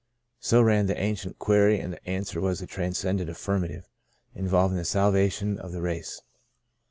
So ran the ancient query, and the answer was a transcendent affirmative, in volving the salvation of the race.